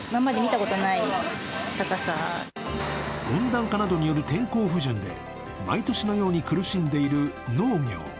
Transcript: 温暖化などによる天候不順で毎年のように苦しんでいる農業。